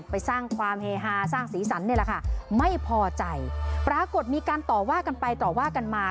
ไปสร้างความเฮฮาสร้างสีสันนี่แหละค่ะไม่พอใจปรากฏมีการต่อว่ากันไปต่อว่ากันมา